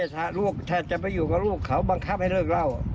ถ้าจะอยู่กับลูกเขาบังคับให้เลิกเล่า